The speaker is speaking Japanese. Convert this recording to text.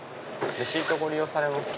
レシートご利用されますか？